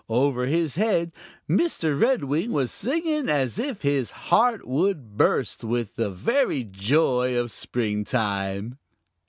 Over his head Mr. Redwing was singing as if his heart would burst with the very joy of springtime.